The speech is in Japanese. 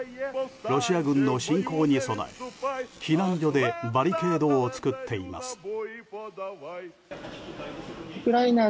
ロシア軍の侵攻に備え避難所でバリケードを作っています。